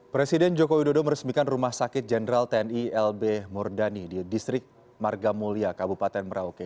presiden jokowi dodo meresmikan rumah sakit jenderal tni lb murdani di distrik margamulia kabupaten merauke